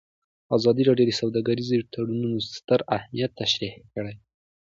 ازادي راډیو د سوداګریز تړونونه ستر اهميت تشریح کړی.